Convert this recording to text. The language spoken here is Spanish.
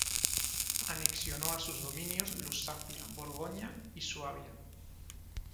Anexionó a sus dominios Lusacia, Borgoña y Suabia.